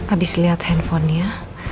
abis lihat handphonenya